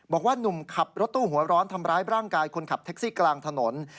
หนุ่มขับรถตู้หัวร้อนทำร้ายร่างกายคนขับแท็กซี่กลางถนน